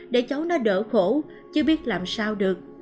để cháu nó đỡ khổ chưa biết làm sao được